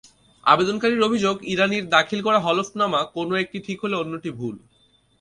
আবেদনকারীর অভিযোগ, ইরানির দাখিল করা হলফনামা কোনো একটি ঠিক হলে অন্যটি ভুল।